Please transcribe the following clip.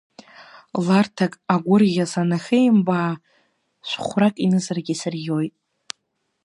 Ларҭак агәырӷьа санахимбаа, шә-хәрак инызаргьы исырӷьоит.